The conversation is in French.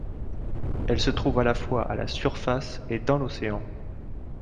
Elle se trouve à la fois à la surface et dans l'océan.